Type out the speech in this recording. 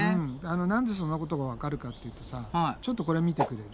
何でそんなことがわかるかっていうとさちょっとこれ見てくれる。